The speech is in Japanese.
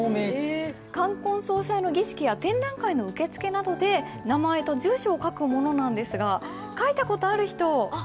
冠婚葬祭の儀式や展覧会の受付などで名前と住所を書くものなんですが書いた事ある人。